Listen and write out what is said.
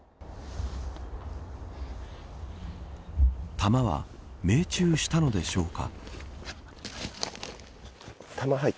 弾は命中したのでしょうか。